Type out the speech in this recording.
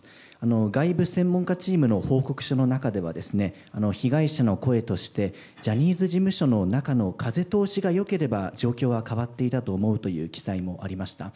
外部専門家チームの報告書の中では、被害者の声として、ジャニーズ事務所の中の風通しがよければ状況は変わっていたと思うという記載もありました。